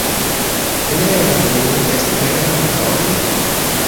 Lernu Esperanton!